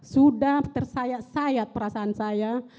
sudah tersayat sayat perasaan saya